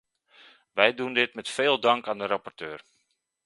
Wij doen dit met veel dank aan de rapporteur.